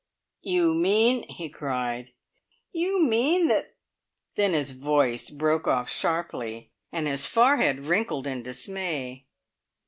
"You mean," he cried, "you mean that? " Then his voice broke off sharply, and his forehead wrinkled in dismay.